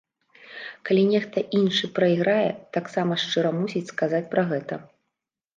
Калі нехта іншы прайграе, таксама шчыра мусіць сказаць пра гэта.